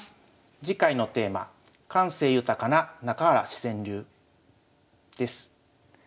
次回のテーマ「感性豊かな中原自然流」です。